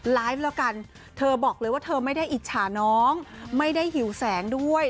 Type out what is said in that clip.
ไลฟ์แล้วกันเธอบอกเลยว่าเธอไม่ได้อิจฉาน้องไม่ได้หิวแสงด้วย